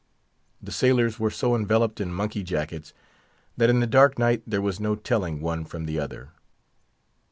The sailors were so enveloped in monkey jackets, that in the dark night there was no telling one from the other.